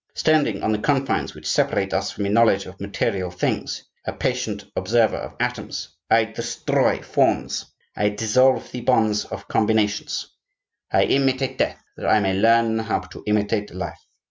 Standing on the confines which separate us from a knowledge of material things, a patient observer of atoms, I destroy forms, I dissolve the bonds of combinations; I imitate death that I may learn how to imitate life.